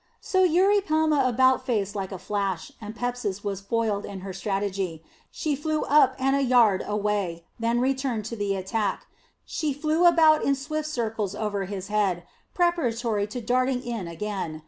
So Eurypelma about faced like a flash, and Pepsis was foiled in her strategy. She flew up and a yard away, then returned to the attack. She flew about in swift circles over his head, preparatory to darting in again.